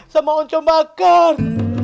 sama oncom bakar